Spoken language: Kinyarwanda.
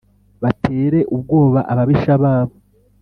Batere ubwoba ababisha babo